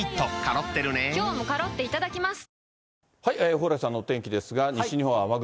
蓬莱さんのお天気ですが、西日本は雨雲。